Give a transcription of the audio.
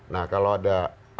nah kalau ada